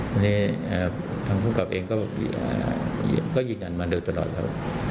วันนี้ทางภูมิกับเองก็ยืนยันมาโดยตลอดแล้ว